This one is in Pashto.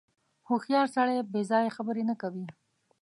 • هوښیار سړی بېځایه خبرې نه کوي.